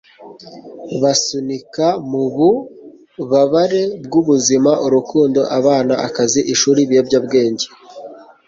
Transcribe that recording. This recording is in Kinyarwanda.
basunika mububabare bwubuzima, urukundo, abana, akazi, ishuri, ibiyobyabwenge